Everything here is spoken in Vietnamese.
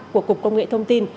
của cục công nghệ thông tin